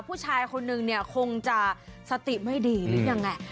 ผู้ชายคนนึงเนี่ยคงจะสติไม่ดีหรือยังไง